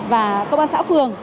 và công an xã phường